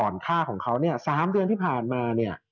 ค่าของเขาเนี่ย๓เดือนที่ผ่านมาเนี่ย